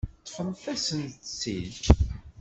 Ṭṭfet-asent-tt-id.